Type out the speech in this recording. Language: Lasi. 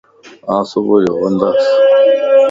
آن صبح وندياسين